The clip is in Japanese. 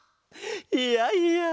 いやいや。